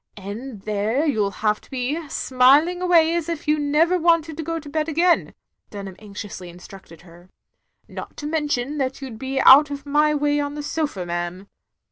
And there you 'U have to be, smiling away as if you never wanted to go to bed again," Dunham anxioxisly instructed her. " Not to mention that you 'd be out of my way on the sofa, ma'am."